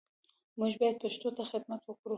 موږ باید پښتو ته خدمت وکړو